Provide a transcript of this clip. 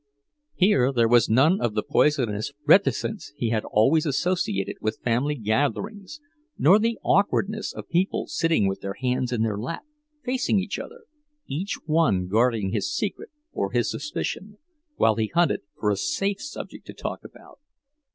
Here there was none of the poisonous reticence he had always associated with family gatherings, nor the awkwardness of people sitting with their hands in their lap, facing each other, each one guarding his secret or his suspicion, while he hunted for a safe subject to talk about.